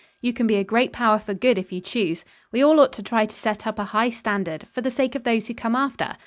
You can be a great power for good if you choose. We all ought to try to set up a high standard, for the sake of those who come after.